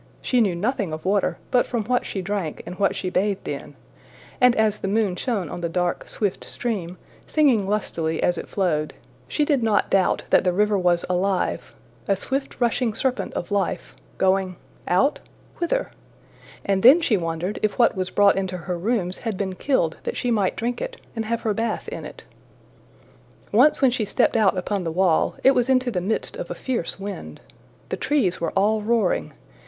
She knew nothing of water but from what she drank and what she bathed in; and as the moon shone on the dark, swift stream, singing lustily as it flowed, she did not doubt the river was alive, a swift rushing serpent of life, going out? whither? And then she wondered if what was brought into her rooms had been killed that she might drink it, and have her bath in it. Once when she stepped out upon the wall, it was into the midst of a fierce wind. The trees were all roaring.